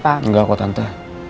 enggak kok tante